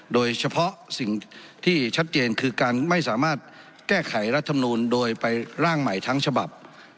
โดยเฉพาะสิ่งที่ชัดเจนคือการไม่สามารถแก้ไขรัฐมนูลโดยไปร่างใหม่ทั้งฉบับ